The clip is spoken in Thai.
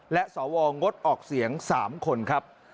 และสวงดออกเสียง๓คนครับ